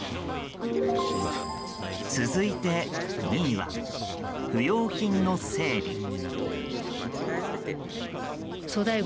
続いて２位は不用品の整理。